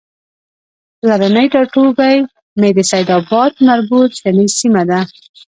پلرنی ټاټوبی مې د سیدآباد مربوط شنیز سیمه ده